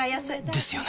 ですよね